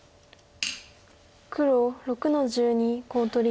黒６の十二コウ取り。